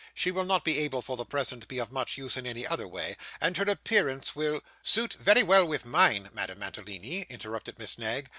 'She will not be able for the present to be of much use in any other way; and her appearance will ' 'Suit very well with mine, Madame Mantalini,' interrupted Miss Knag.